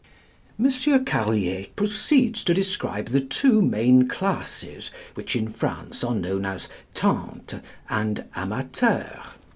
M. Carlier proceeds to describe the two main classes, which in France are known as tantes and amateurs.